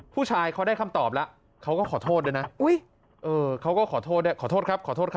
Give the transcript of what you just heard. ผู้ชายเขาได้คำตอบแล้วเขาก็ขอโทษด้วยนะเขาก็ขอโทษ